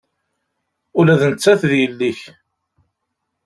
Ula d nettat d yelli-k.